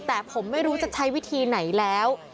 แต่ผมไม่รู้จะใช้วิธีไหนแล้ว